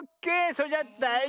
それじゃだい